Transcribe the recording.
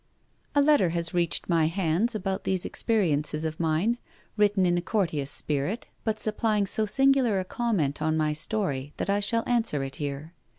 A letter has reached my hands about these experiences of mine, written in a courteous spirit, but supplying so singular a comment on my story that I shall answer it here.